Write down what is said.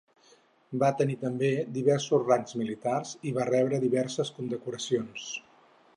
Va tenir també diversos rangs militars i va rebre diverses condecoracions.